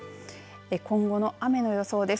今後の雨の予想です。